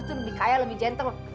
sekarang disini pakai termos